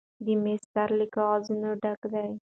د میز سر له کاغذونو ډک دی.